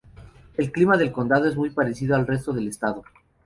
El clima del condado es muy parecido al resto del estado.